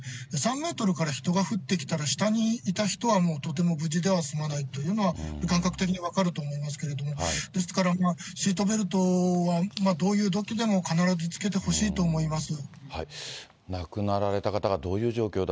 ３メートルから人が降ってきたら、下にいた人はもうとても無事では済まないというのは、感覚的に分かると思いますけれども、ですから、シートベルトはどういうときでも必ずつけてほしいと思います。